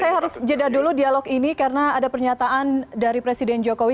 saya harus jeda dulu dialog ini karena ada pernyataan dari presiden jokowi